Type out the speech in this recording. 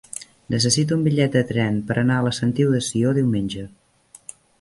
Necessito un bitllet de tren per anar a la Sentiu de Sió diumenge.